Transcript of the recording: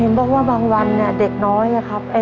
เห็นบ้างว่าบางวันเนี่ยเด็กน้อยครับ